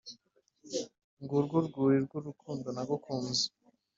Ngurwo urwuri rwurukundo nagukunze